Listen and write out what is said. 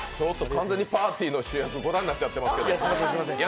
完全にパーティーの主役、五段になっちゃってるけど。